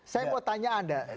saya mau tanya anda